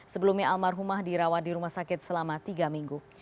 sebelumnya almarhumah dirawat di rumah sakit selama tiga minggu